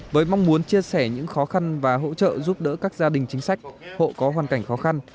với mong muốn chia sẻ những khó khăn và hỗ trợ giúp đỡ các gia đình chính sách hộ có hoàn cảnh khó khăn